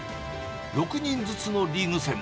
６人ずつのリーグ戦。